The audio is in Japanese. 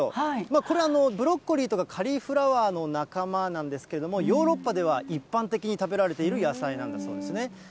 これ、ブロッコリーとかカリフラワーの仲間なんですけど、ヨーロッパでは一般的に食べられている野菜なんだそうですね。